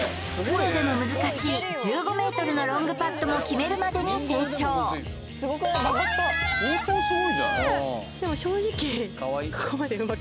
プロでも難しい１５ｍのロングパットも決めるまでに成長わナイス！